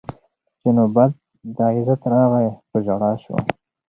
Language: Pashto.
چي نوبت د عزت راغی په ژړا سو